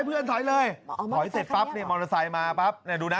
ถอยเลยถอยเสร็จปั๊บนี่มอเตอร์ไซค์มาปั๊บเนี่ยดูนะ